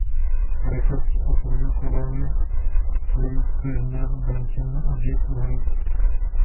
Records a produkovali jej Brendan Benson a Jack White.